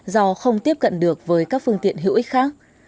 do không tiếp cận được với các phương tiện hữu ích khác